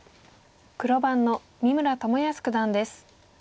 黒番の三村智保九段です。